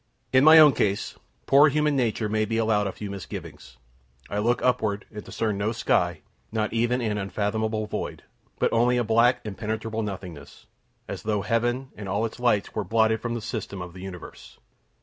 In my own case, poor human nature may be allowed a few misgivings. I look upward, and discern no sky, not even an unfathomable void, but only a black, impenetrable nothingness, as though heaven and all its lights were blotted from the system of the universe.